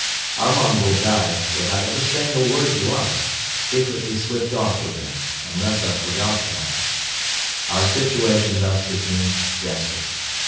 Our Mongol guides, without ever saying a word to us, secretly slipped off with him and left us without camels. Our situation thus became desperate.